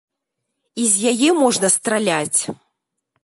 І з яе можна страляць.